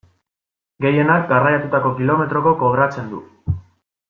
Gehienak garraiatutako kilometroko kobratzen du.